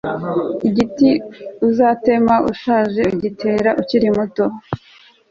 igiti uzatema ushaje ugitera ukiri muto